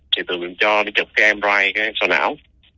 thì tụi mình cho đi chụp cái em rai cái em sò não